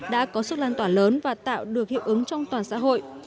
đã có sức lan tỏa lớn và tạo được hiệu ứng trong toàn xã hội